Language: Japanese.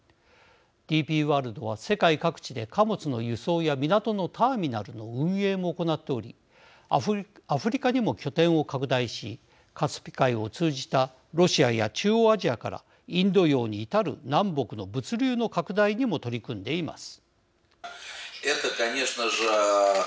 ＤＰワールドは世界各地で貨物の輸送や港のターミナルの運営も行っておりアフリカにも拠点を拡大しカスピ海を通じたロシアや中央アジアからインド洋に至る南北の物流の拡大にも取り組んでいます。